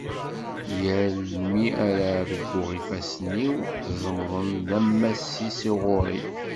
Yal mi ara arguɣ ifassen-iw ẓemḍen-d ammas-is ɣur-i.